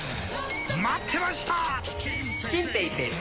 待ってました！